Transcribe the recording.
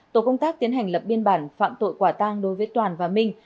tổ công tác tiến hành lập biên bản phạm tội quả tang đối với toàn và minh